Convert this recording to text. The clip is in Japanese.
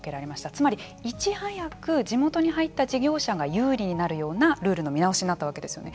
つまりいち早く地元に入った事業者が有利になるようなルールの見直しになったわけですよね。